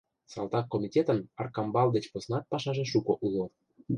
Салтак Комитетын Аркамбал деч поснат пашаже шуко уло.